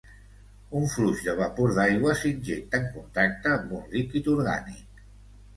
Un flux de vapor d'aigua s'injecta en contacte amb un líquid orgànic.